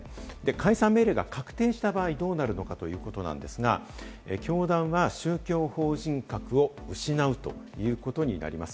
解散命令が確定した場合、どうなるのかということですが、教団は宗教法人格を失うということになります。